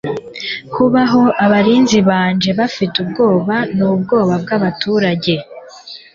Kuraho abarinzi banje bafite ubwoba nubwoba bwabaturage